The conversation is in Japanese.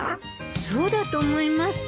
そうだと思います。